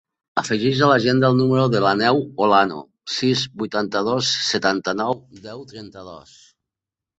Afegeix a l'agenda el número de l'Àneu Olano: sis, vuitanta-dos, setanta-nou, deu, trenta-dos.